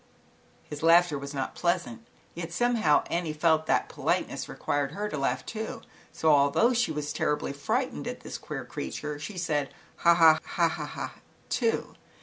His laughter was not pleasant, yet somehow Annie felt that politeness required her to laugh too, so, although she was terribly frightened at this queer ZAUBERLINDA, THE WISE WITCH. 101 creature, she said, " Ha ha ha ha ha," too.